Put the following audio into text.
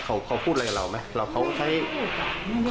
เตยคำพูดอะไรไหม